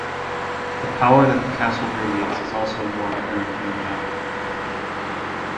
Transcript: The power that the castle radiates is also more apparent than reality.